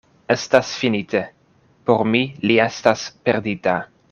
Estas finite: por mi li estas perdita!